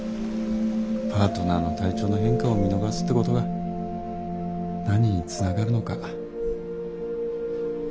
パートナーの体調の変化を見逃すってことが何につながるのか。